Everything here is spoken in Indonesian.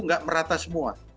tidak merata semua